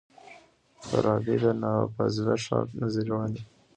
فارابي د فاضله ښار نظریه وړاندې کړه.